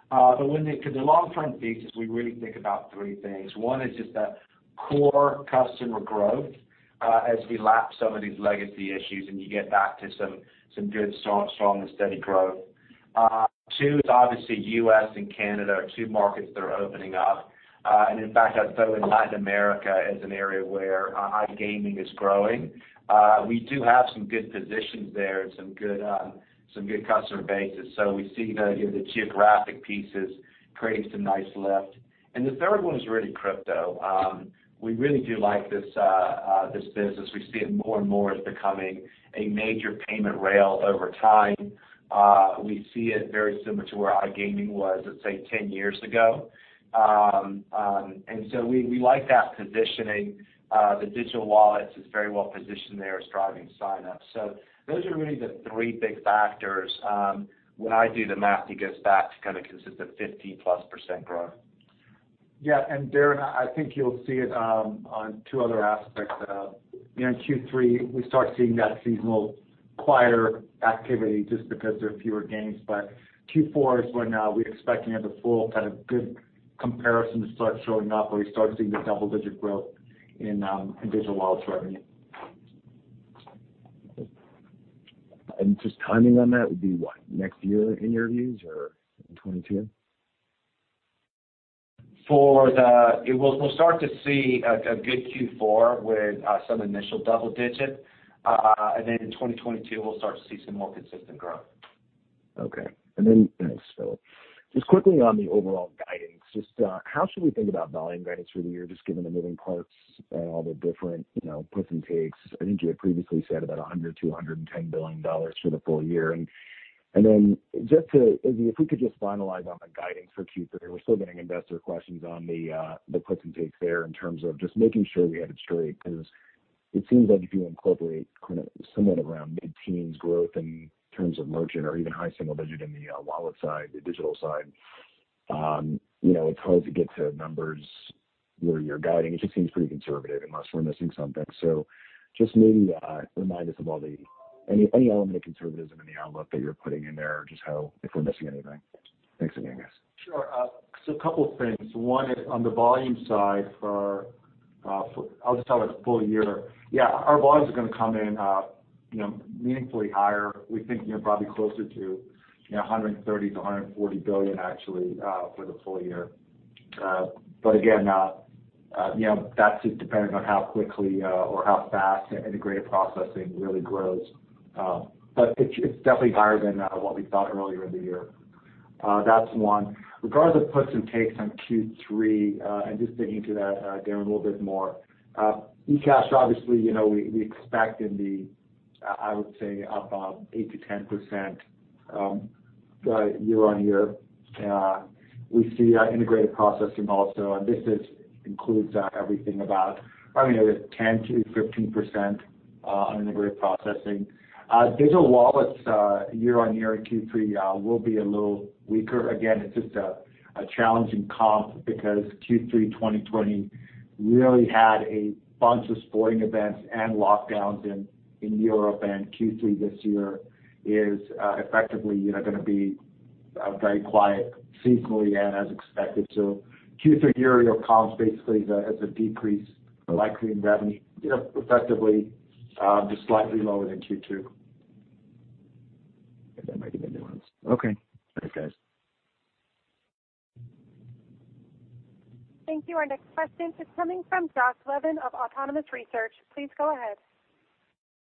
Because the long-term thesis, we really think about three things. One is just that core customer growth as we lap some of these legacy issues and you get back to some good, strong and steady growth. Two is obviously U.S. and Canada are two markets that are opening up. In fact, I'd throw in Latin America as an area where iGaming is growing. We do have some good positions there and some good customer bases. We see the geographic pieces creating some nice lift. The third one is really crypto. We really do like this business. We see it more and more as becoming a major payment rail over time. We see it very similar to where iGaming was, let's say, 10 years ago. We like that positioning. The Digital Wallets is very well positioned there as driving sign-ups. Those are really the three big factors. When I do the math, it goes back to kind of consistent 15%+ growth. Darrin, I think you will see it on two other aspects. In Q3, we start seeing that seasonal quieter activity just because there are fewer games. Q4 is when we are expecting the full kind of good comparison to start showing up where we start seeing the double-digit growth in Digital Wallets revenue. Just timing on that would be what? Next year in your views or in 2022? We'll start to see a good Q4 with some initial double digit. In 2022, we'll start to see some more consistent growth. Okay. Just quickly on the overall guidance, just how should we think about volume guidance for the year, just given the moving parts and all the different puts and takes? I think you had previously said about $100 billion-$110 billion for the full year. If we could just finalize on the guidance for Q3. We're still getting investor questions on the puts and takes there in terms of just making sure we have it straight, because it seems like if you incorporate kind of somewhere around mid-teens growth in terms of merchant or even high single digit in the wallet side, the digital side, it's hard to get to numbers where you're guiding. It just seems pretty conservative unless we're missing something. Just maybe remind us of any element of conservatism in the outlook that you're putting in there or just if we're missing anything. Thanks again, guys. Sure. A couple of things. One is on the volume side for, I'll just tell it full year. Yeah, our volumes are going to come in meaningfully higher. We think probably closer to $130 billion-$140 billion actually for the full year. Again, that's just dependent on how quickly or how fast integrated processing really grows. It's definitely higher than what we thought earlier in the year. That's one. Regardless of puts and takes on Q3, just digging into that, Darrin, a little bit more. eCash, obviously, we expect in the, I would say, up 8%-10% year-on-year. We see integrated processing also. This includes everything about probably another 10%-15% on integrated processing. Digital Wallets year-on-year in Q3 will be a little weaker. Again, it's just a challenging comp because Q3 2020 really had a bunch of sporting events and lockdowns in Europe. Q3 this year is effectively going to be very quiet seasonally and as expected. Q3 year over comp basically has a decrease likely in revenue effectively just slightly lower than Q2. That might be the nuance. Okay. Thanks, guys. Thank you. Our next question is coming from Josh Levin of Autonomous Research. Please go ahead.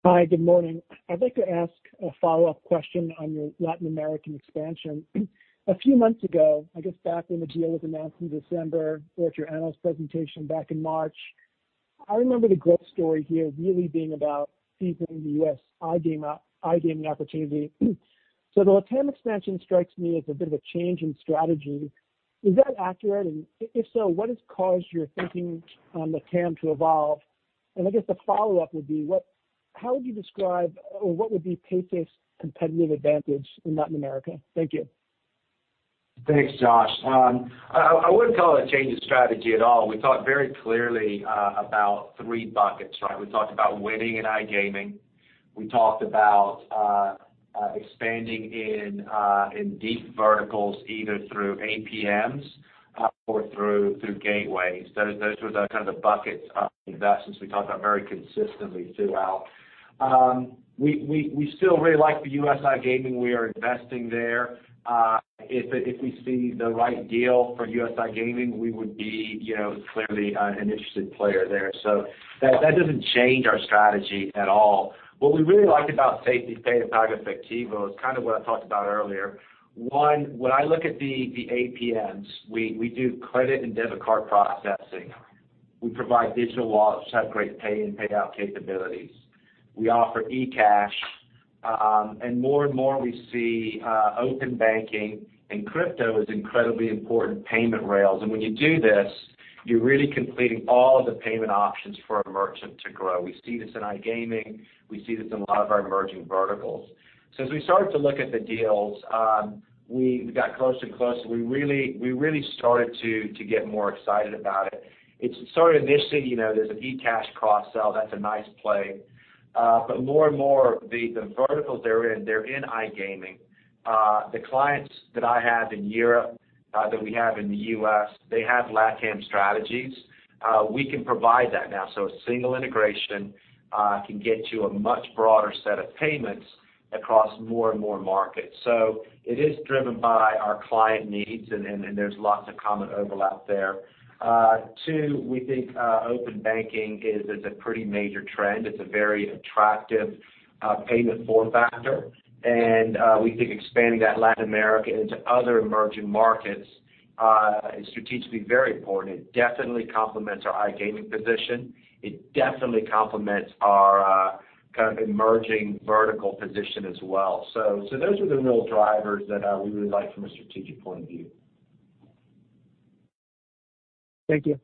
Hi. Good morning. I'd like to ask a follow-up question on your Latin American expansion. A few months ago, I guess back when the deal was announced in December or at your analyst presentation back in March, I remember the growth story here really being about seizing the U.S. iGaming opportunity. The LATAM expansion strikes me as a bit of a change in strategy. Is that accurate? If so, what has caused your thinking on LATAM to evolve? I guess the follow-up would be, how would you describe or what would be Paysafe's competitive advantage in Latin America? Thank you. Thanks, Josh. I wouldn't call it a change in strategy at all. We talked very clearly about three buckets, right? We talked about winning in iGaming. We talked about expanding in deep verticals, either through APMs or through gateways. Those were the kind of the buckets of investments we talked about very consistently throughout. We still really like the U.S. iGaming. We are investing there. If we see the right deal for U.S. iGaming, we would be clearly an interested player there. That doesn't change our strategy at all. What we really like about SafetyPay and PagoEfectivo is kind of what I talked about earlier. One, when I look at the APMs, we do credit and debit card processing. We provide digital wallets which have great pay and payout capabilities. We offer eCash, and more and more we see open banking and crypto as incredibly important payment rails. When you do this, you're really completing all the payment options for a merchant to grow. We see this in iGaming. We see this in a lot of our emerging verticals. As we started to look at the deals, we got closer and closer. We really started to get more excited about it. It's sort of initially, there's an eCash cross-sell, that's a nice play. But more and more, the verticals they're in, they're in iGaming. The clients that I have in Europe, that we have in the U.S., they have LATAM strategies. We can provide that now. A single integration can get to a much broader set of payments across more and more markets. It is driven by our client needs, and there's lots of common overlap there. Two, we think open banking is a pretty major trend. It's a very attractive payment form factor, and we think expanding that Latin America into other emerging markets is strategically very important. It definitely complements our iGaming position. It definitely complements our emerging vertical position as well. Those are the real drivers that we really like from a strategic point of view. Thank you.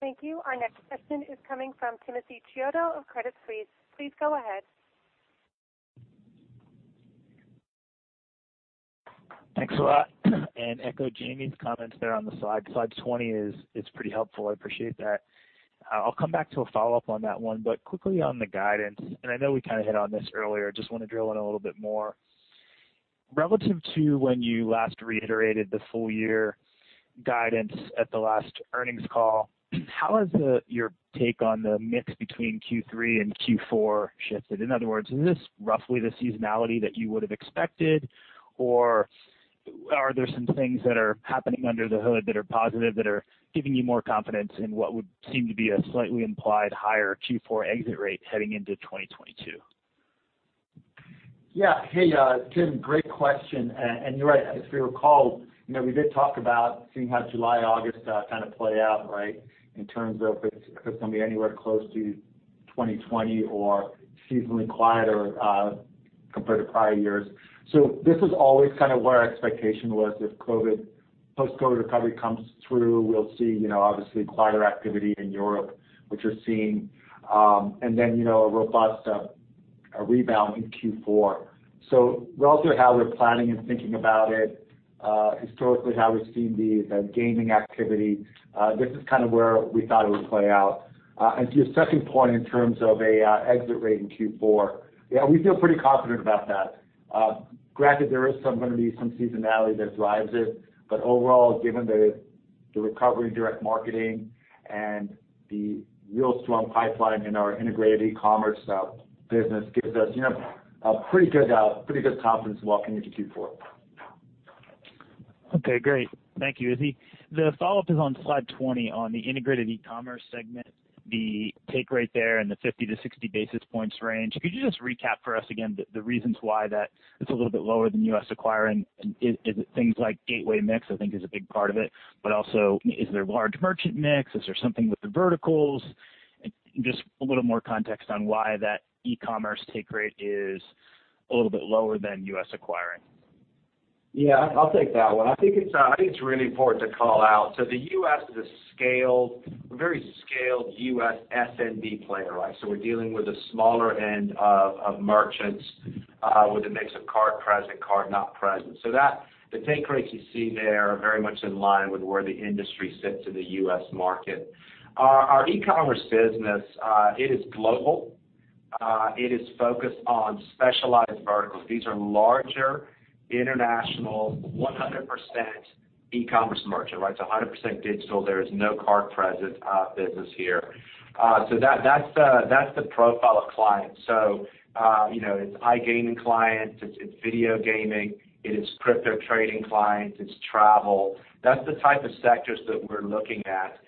Thank you. Our next question is coming from Timothy Chiodo of Credit Suisse. Please go ahead. Thanks a lot. Echo Jamie's comments there on the slide. Slide 20 is pretty helpful. I appreciate that. I'll come back to a follow-up on that one. Quickly on the guidance, I know we kind of hit on this earlier, just want to drill in a little bit more. Relative to when you last reiterated the full-year guidance at the last earnings call, how has your take on the mix between Q3 and Q4 shifted? In other words, is this roughly the seasonality that you would have expected? Are there some things that are happening under the hood that are positive, that are giving you more confidence in what would seem to be a slightly implied higher Q4 exit rate heading into 2022? Yeah. Hey, Tim, great question. You're right. If you recall, we did talk about seeing how July, August kind of play out, right? In terms of if it's going to be anywhere close to 2020 or seasonally quiet or compared to prior years. This is always kind of where our expectation was if post-COVID recovery comes through, we'll see obviously quieter activity in Europe, which we're seeing. Then a robust rebound in Q4. Relative to how we're planning and thinking about it, historically how we've seen the gaming activity, this is kind of where we thought it would play out. To your second point in terms of an exit rate in Q4, yeah, we feel pretty confident about that. Granted, there is going to be some seasonality that drives it, overall, given the recovery in direct marketing and the real strong pipeline in our integrated e-commerce business gives us a pretty good confidence walking into Q4. Okay, great. Thank you, Izzy. The follow-up is on slide 20 on the integrated e-commerce segment, the take rate there and the 50-60 basis points range. Could you just recap for us again the reasons why that is a little bit lower than U.S. acquiring? Is it things like gateway mix, I think is a big part of it, but also is there large merchant mix? Is there something with the verticals? Just a little more context on why that e-commerce take rate is a little bit lower than U.S. acquiring. Yeah, I'll take that one. I think it's really important to call out. The U.S. is a very scaled U.S. SMB player, right? We're dealing with the smaller end of merchants with a mix of card present, card not present. The take rates you see there are very much in line with where the industry sits in the U.S. market. Our e-commerce business, it is global. It is focused on specialized verticals. These are larger, international, 100% e-commerce merchant. 100% digital. There is no card present business here. That's the profile of clients. It's iGaming clients, it's video gaming, it is crypto trading clients, it's travel. That's the type of sectors that we're looking at.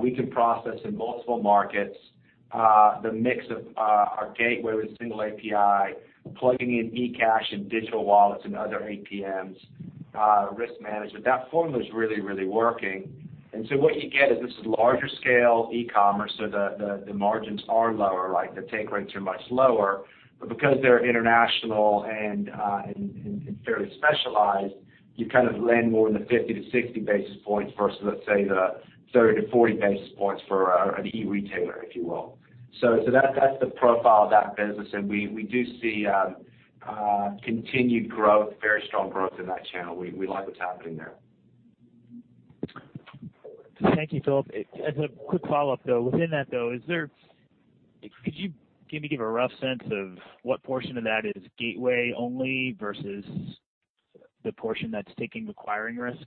We can process in multiple markets, the mix of our gateway with a single API, plugging in eCash and digital wallets and other APMs, risk management. That formula is really working. What you get is this larger scale e-commerce, the margins are lower, the take rates are much lower. Because they're international and fairly specialized, you kind of land more in the 50-60 basis points versus, let's say, the 30-40 basis points for an e-retailer, if you will. That's the profile of that business, and we do see continued growth, very strong growth in that channel. We like what's happening there. Thank you, Philip. As a quick follow-up though, within that though, could you give a rough sense of what portion of that is gateway only versus the portion that's taking acquiring risk?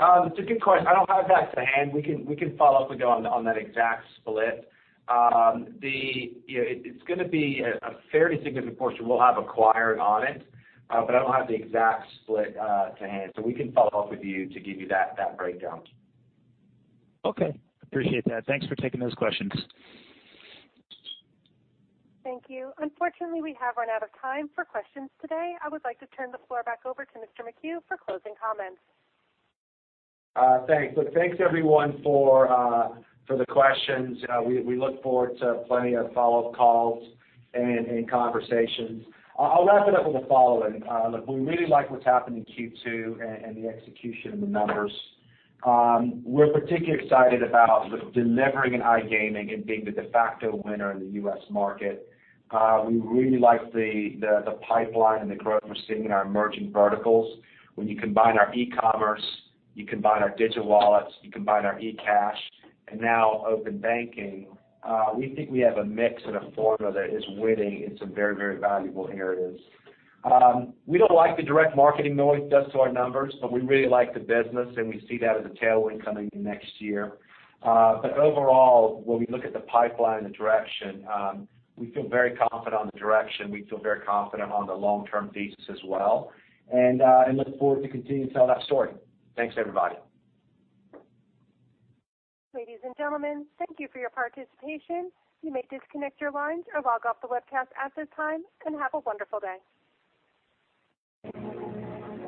It's a good question. I don't have that to hand. We can follow up with you on that exact split. It's going to be a fairly significant portion. We'll have acquiring on it, but I don't have the exact split to hand. We can follow up with you to give you that breakdown. Okay. Appreciate that. Thanks for taking those questions. Thank you. Unfortunately, we have run out of time for questions today. I would like to turn the floor back over to Mr. McHugh for closing comments. Thanks. Thanks everyone for the questions. We look forward to plenty of follow-up calls and conversations. I'll wrap it up with the following. We really like what's happened in Q2 and the execution of the numbers. We're particularly excited about delivering in iGaming and being the de facto winner in the U.S. market. We really like the pipeline and the growth we're seeing in our emerging verticals. You combine our e-commerce, you combine our digital wallets, you combine our eCash, and now open banking, we think we have a mix and a formula that is winning in some very valuable areas. We don't like the direct marketing noise it does to our numbers, we really like the business, and we see that as a tailwind coming into next year. Overall, when we look at the pipeline and the direction, we feel very confident on the direction. We feel very confident on the long-term thesis as well, and look forward to continuing to tell that story. Thanks, everybody. Ladies and gentlemen, thank you for your participation. You may disconnect your lines or log off the webcast at this time, and have a wonderful day.